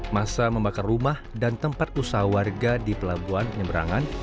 masa membakar rumah dan tempat usaha warga di pelabuhan penyeberangan